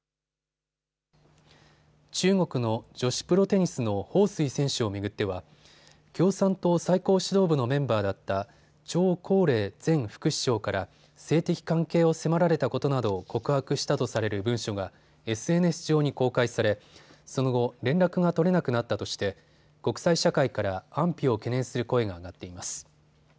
中国の女子プロテニスの彭帥選手を巡っては共産党最高指導部のメンバーだった張高麗前副首相から性的関係を迫られたことなどを告白したとされる文書がＳＮＳ上に公開されその後、連絡が取れなくなったとして、国際社会から安否を懸念する声が上がっています。